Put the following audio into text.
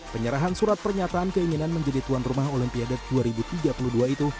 penyerahan surat pernyataan keinginan menjadi tuan rumah olimpiade dua ribu tiga puluh dua itu